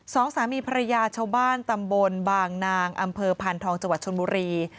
สองสามีภรรยาชาวบ้านตำบลบางนางอำเภอพานทองจังหวัดชนบุรี